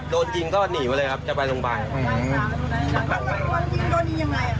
โดยจริงก็หนีไว้เลยครับจะไปลงไป